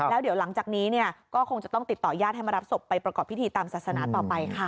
แล้วเดี๋ยวหลังจากนี้ก็คงจะต้องติดต่อญาติให้มารับศพไปประกอบพิธีตามศาสนาต่อไปค่ะ